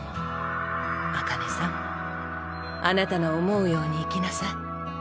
紅葉さんあなたの思うように生きなさい。